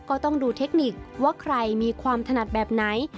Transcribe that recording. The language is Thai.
ก็ต้องดูเทคนิคว่าใครมีความถนัดแบบไหน